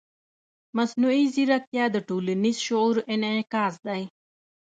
مصنوعي ځیرکتیا د ټولنیز شعور انعکاس دی.